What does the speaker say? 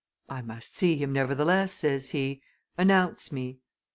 'I must see him, nevertheless,' says he; 'announce me!